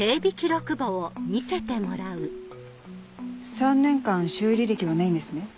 ３年間修理歴はないんですね？